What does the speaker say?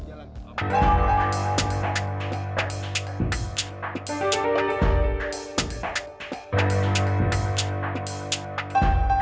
balik balik balik